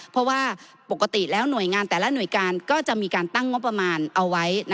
เพราะว่าปกติแล้วหน่วยงานแต่ละหน่วยการก็จะมีการตั้งงบประมาณเอาไว้